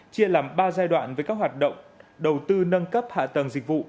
chia làm ba giai đoạn với các hoạt động đầu tư nâng cấp hạ tầng dịch vụ